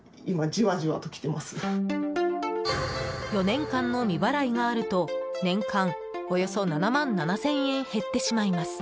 ４年間の未払いがあると年間およそ７万７０００円減ってしまいます。